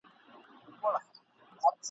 افغان ځواکونه خپلي توري وهي.